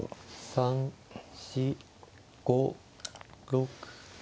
３４５６。